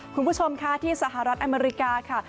คุณผู้ชมค่ะที่สหรัฐอเมริกาค่ะ